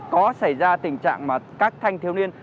có xảy ra tình trạng mà các thanh thiếu niên